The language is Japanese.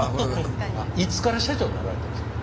いつから社長になられたんですか？